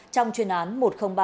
trong chuyên án một trăm linh ba h